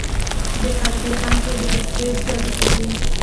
د قرغې بند کې د کښتیو سیالي کیږي.